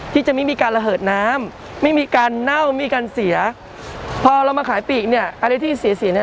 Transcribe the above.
ที่จะไม่มีการระเหิดน้ำไม่มีการเน่ามีการเสียพอเรามาขายปีกเนี่ยอะไรที่เสียเสียเนี่ย